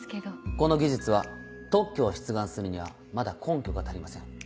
この技術は特許を出願するにはまだ根拠が足りません。